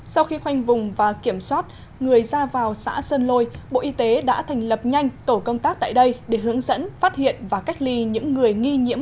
sau khi khoanh vùng và kiểm soát người ra vào xã sơn lôi bộ y tế đã thành lập nhanh tổ công tác tại đây để hướng dẫn phát hiện và cách ly những người nghi nhiễm